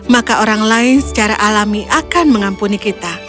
maka orang lain secara alami akan mengampuni kita